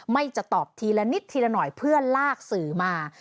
ไม่จะตอบทีละนิดทีละหน่อยเพื่อลากสื่อมา